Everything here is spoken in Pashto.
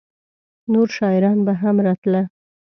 نور شاعران به هم راتله؟